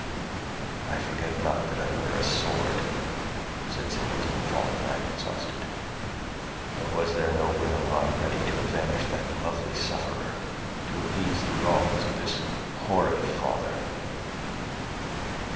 "I forget not that I wear a sword," said Singleton, falling back exhausted; "but was there no willing arm ready to avenge that lovely sufferer—to appease the wrongs of this hoary father?"